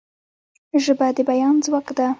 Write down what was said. ژبه د بیان ځواک ده.